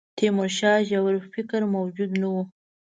تیمورشاه ژور فکر موجود نه وو.